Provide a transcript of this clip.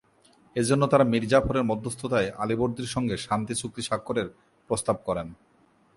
এজন্য তারা মীর জাফরের মধ্যস্থতায় আলীবর্দীর সঙ্গে শান্তি চুক্তি স্বাক্ষরের প্রস্তাব করেন।